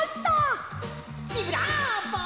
ビブラーボ！